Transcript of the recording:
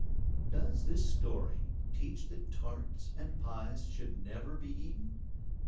Does this story teach that tarts and pies should never be eaten?